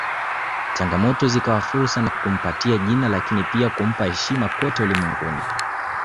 Changamoto zikawa fursa na kumpatia jina lakini pia kumpa heshima kote ulimwenguni